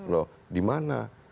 loh di mana